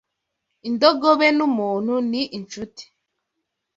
Indogobe n'umuntu ni inshuti